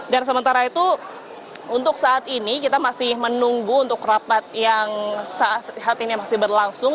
dan sementara itu untuk saat ini kita masih menunggu untuk rapat yang saat ini masih berlangsung